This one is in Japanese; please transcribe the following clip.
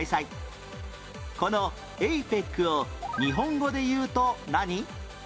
この ＡＰＥＣ を日本語で言うと何？